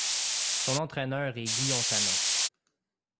Son entraîneur est Guy Ontanon.